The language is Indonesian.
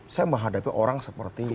saya menghadapi orang seperti